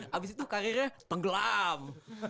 habis itu karirnya tenggelam